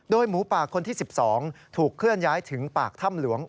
หมูปากคนที่๑๒ถูกเคลื่อนย้ายถึงปากถ้ำหลวง